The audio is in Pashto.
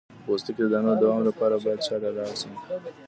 د پوستکي د دانو د دوام لپاره باید چا ته لاړ شم؟